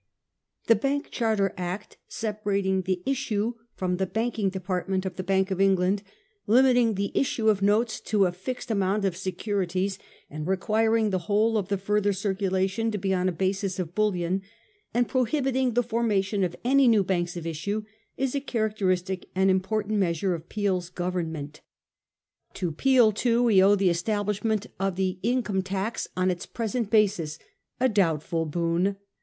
The Bank Charter Act, separating the issue from the b anking department of the Bank of England, limiting the issue of notes to a fixed amount of se curities, and requiring the whole of the further circu lation to be on a basis of bullion, and prohibiting the formation of any new banks of issue, is a character istic and an important measure of Peel's Government. 312 A HISTORY OF OUR OWN TIMES. on. an. * To Peel, too, we owe the establishment of the income tax on its present basis — a doubtful boon.